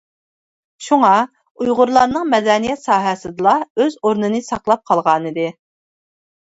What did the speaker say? شۇڭا، ئۇيغۇرلارنىڭ مەدەنىيەت ساھەسىدىلا ئۆز ئورنىنى ساقلاپ قالغانىدى.